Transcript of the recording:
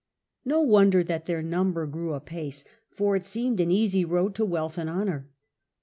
No wonder that their num in numbers, bcrs grew apacc, for it seemed an easy road to wealth and honour.